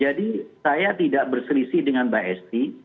jadi saya tidak berselisih dengan mbak esti